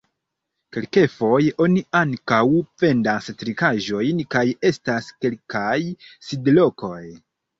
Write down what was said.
Kelkfoje oni ankaŭ vendas trinkaĵojn kaj estas kelkaj sidlokoj.